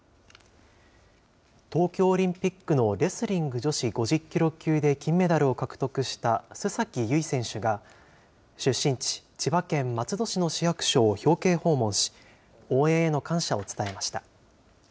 東京オリンピックのレスリング女子５０キロ級で金メダルを獲得した須崎優衣選手が、出身地、千葉県松戸市の市役所を表敬訪問し、応援への感謝を伝えました。